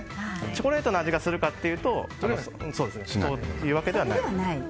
チョコレートの味がするかというとそういうわけではない。